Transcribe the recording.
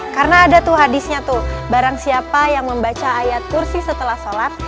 karena ada tuh hadisnya tuh barang siapa yang membaca ayat kursi setelah sholat